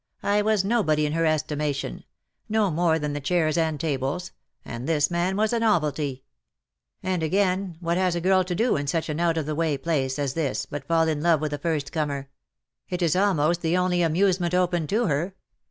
I was nobody in her estimation — no more than the chairs and tables — and this man was a novelty ; and agaiuj what has a girl to do in such an out of the way place as this but fall in love with the first comer; it is almost the only amusement open to her.